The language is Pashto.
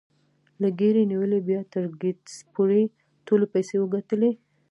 له ګيري نيولې بيا تر ګيټس پورې ټولو پيسې وګټلې.